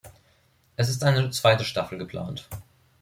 Es ist eine zweite Staffel geplant.